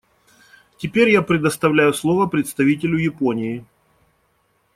Теперь я предоставляю слово представителю Японии.